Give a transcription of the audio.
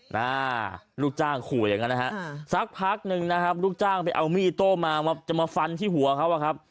หน้าลูกจ้างขู่อย่างนั้นนะฮะสักพักหนึ่งนะครับลูกจ้างไปเอามีดอิโต้มามาจะมาฟันที่หัวเขาอะครับ